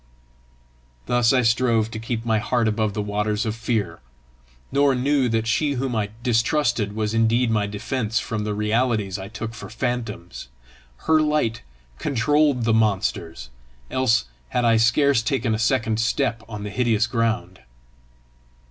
Thus I strove to keep my heart above the waters of fear, nor knew that she whom I distrusted was indeed my defence from the realities I took for phantoms: her light controlled the monsters, else had I scarce taken a second step on the hideous ground.